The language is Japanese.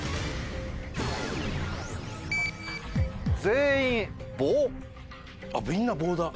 全員棒。